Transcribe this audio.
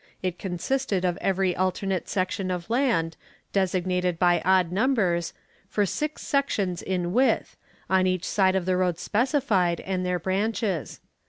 It consisted of every alternate section of land, designated by odd numbers, for six sections in width, on each side of the roads specified, and their branches.